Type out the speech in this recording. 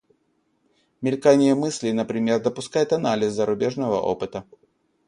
Мелькание мыслей, например, допускает анализ зарубежного опыта.